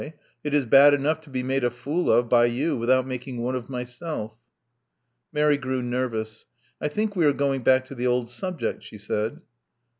It is bad enough to be made a fool of by you without making one of myself." Mary grew nervous. I think we are going back to the old subject," she said.